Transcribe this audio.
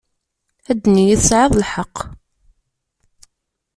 Ad nini tesεiḍ lḥeqq.